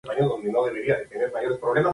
La ciudad de Segesta fue fundada por esta mujer.